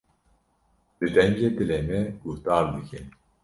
Li dengê dilê me guhdar dike.